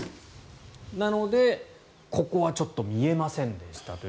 なので、ここはちょっと見えませんでしたと。